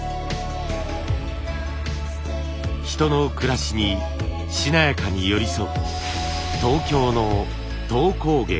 人の暮らしにしなやかに寄り添う東京の籐工芸。